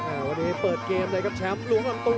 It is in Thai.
วันนี้เปิดเกมเลยครับแชมป์ล้วงลำตัว